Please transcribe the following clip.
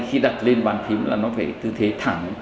khi đặt lên bàn phim là nó phải tư thế thẳng